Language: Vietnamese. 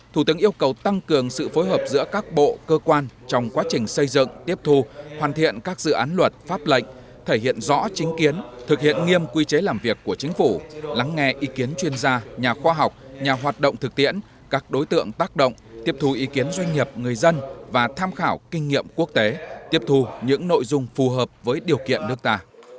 thủ tướng yêu cầu tăng cường sự phối hợp giữa các bộ cơ quan trong quá trình xây dựng tiếp thu hoàn thiện các dự án luật pháp lệnh thể hiện rõ chính kiến thực hiện nghiêm quy chế làm việc của chính phủ lắng nghe ý kiến chuyên gia nhà khoa học nhà hoạt động thực tiễn các đối tượng tác động tiếp thu ý kiến doanh nghiệp người dân và tham khảo kinh nghiệm quốc tế tiếp thu những nội dung phù hợp với điều kiện nước ta